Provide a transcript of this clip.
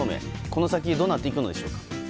この先どうなっていくのでしょうか。